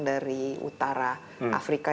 dari utara afrika